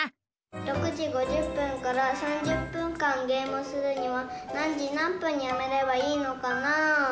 ６時５０分から３０分間ゲームするには何時何分にやめればいいのかなぁ？